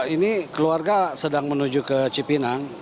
ini keluarga sedang menuju ke cipinang